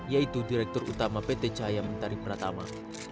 yaitu direktur utama pt cahaya mentari pratama